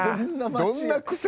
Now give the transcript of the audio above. どんな癖？